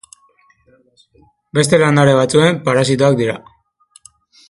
Beste landare batzuen parasitoak dira.